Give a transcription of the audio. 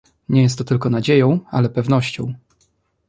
"nie jest to tylko nadzieją, ale pewnością."